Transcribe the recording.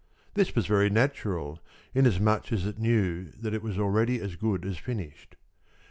This was very natural, inasmuch as it knew that it was already as good as finished.